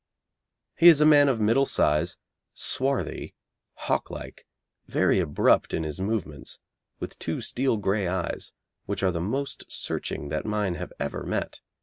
He is a man of middle size, swarthy, hawk like, very abrupt in his movements, with two steel grey eyes, which are the most searching that mine have ever met.